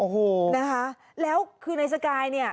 ให้คุณนับ